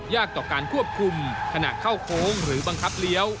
ต่อการควบคุมขณะเข้าโค้งหรือบังคับเลี้ยว